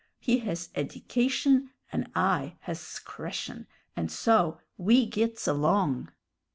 He has eddication and I has 'scretion, an' so we gits along."